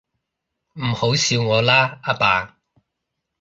唔好笑我啦，阿爸